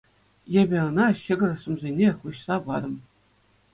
Эпӗ ӑна ҫӑкӑр сӑмсине хуҫса патӑм.